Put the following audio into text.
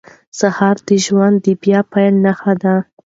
سهار د ژوند د بیا پیل نښه ده.